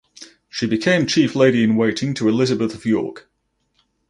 She became chief lady in waiting to Elizabeth of York.